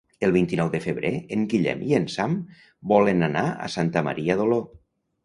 El vint-i-nou de febrer en Guillem i en Sam volen anar a Santa Maria d'Oló.